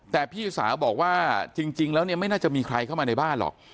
แต่พี่สาวบอกว่าจริงแล้วเนี่ยไม่น่าจะมีใครเข้ามาในบ้านหรอก